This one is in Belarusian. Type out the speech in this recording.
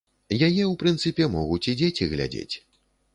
Яе, у прынцыпе, могуць і дзеці глядзець.